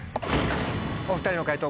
お２人の解答